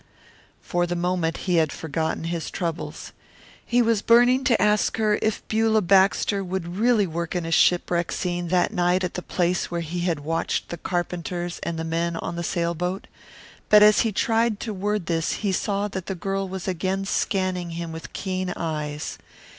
For the moment he had forgotten his troubles. He was burning to ask her if Beulah Baxter would really work in a shipwreck scene that night at the place where he had watched the carpenters and the men on the sailboat; but as he tried to word this he saw that the girl was again scanning him with keen eyes.